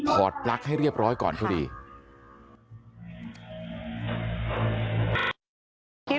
พอดลักษณ์ให้เรียบร้อยก่อนก็ดี